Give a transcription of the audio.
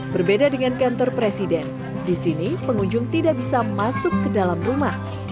berbeda dengan kantor presiden di sini pengunjung tidak bisa masuk ke dalam rumah